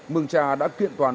mường trà đã kiện toàn